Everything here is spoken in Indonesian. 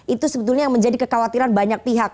itu sebetulnya yang menjadi kekhawatiran banyak pihak